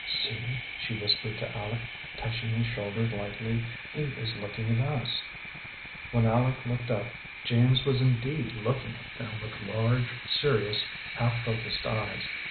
"See!" she whispered to Aleck, touching his shoulder lightly, "he is looking at us." When Aleck looked up James was indeed looking at them with large, serious, half focussed eyes.